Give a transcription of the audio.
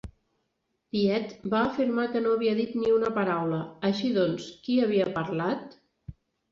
Piet va afirmar que no havia dit ni una paraula, així doncs qui havia parlat?